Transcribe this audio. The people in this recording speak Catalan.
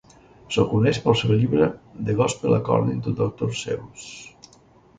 Se'l coneix pel seu llibre "The Gospel According to Doctor Seuss".